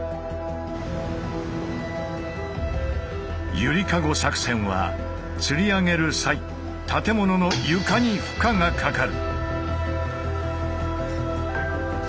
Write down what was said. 「ゆりかご作戦」は吊り上げる際建物の床に負荷がかかる。